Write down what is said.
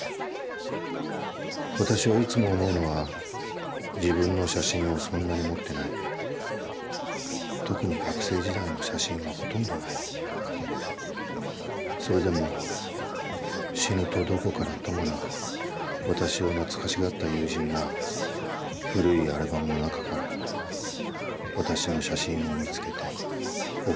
私はいつも思うのは自分の写真をそんなに持ってない、特に学生時代の写真はほとんどない、それでも死ぬとどこからともなく私を懐しがった友人が古いアルバムの中から私の写真を見つけて送ってくれるのか。